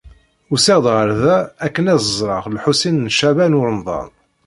Usiɣ-d ɣer da akken ad ẓreɣ Lḥusin n Caɛban u Ṛemḍan.